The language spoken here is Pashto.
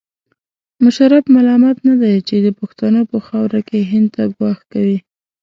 مشرف ملامت نه دی چې د پښتنو په خاوره کې هند ته ګواښ کوي.